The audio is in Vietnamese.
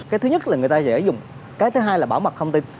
cái thứ nhất là người ta dễ dùng cái thứ hai là bảo mật thông tin